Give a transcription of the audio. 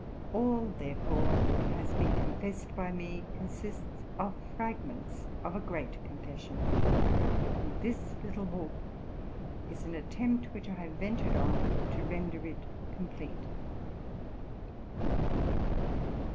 All, therefore, that has been confessed by me, consists of fragments of a great confession ; and this little book is an attempt which I have ventured on to render it complete.